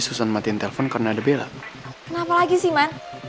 susah sih juga ya dahain gue ya